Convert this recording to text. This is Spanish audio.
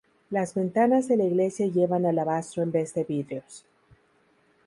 Las ventanas de la iglesia llevan alabastro en vez de vidrios.